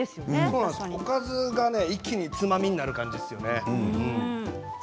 おかずが一気につまみになる感じですよね。